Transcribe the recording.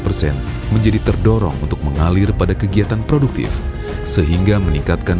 yang sembilan puluh tujuh lima menjadi terdorong untuk mengalir pada kegiatan produktif sehingga meningkatkan